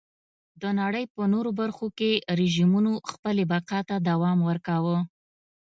د نړۍ په نورو برخو کې رژیمونو خپلې بقا ته دوام ورکاوه.